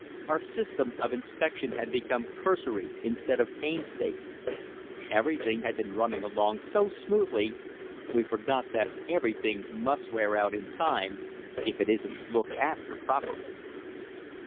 Our system of inspection had become cursory instead of painstaking. Everything had been running along so smoothly we forgot that everything must wear out in time if it isn't looked after properly.